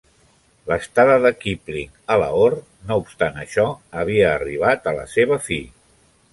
L'estada de Kipling a Lahore, no obstant això, havia arribat a la seva fi.